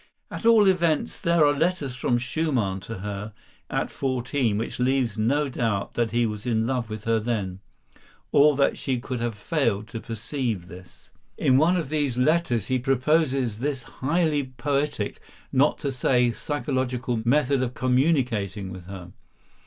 At all events, there are letters from Schumann to her, at fourteen, which leave no doubt that he was in love with her then, or that she could have failed to perceive this. In one of these letters he proposes this highly poetic, not to say psychological, method of communicating with her.